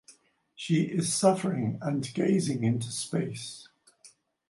She is suffering and gazing into space.